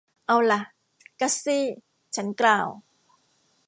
เอาล่ะ กัสซี่ ฉันกล่าว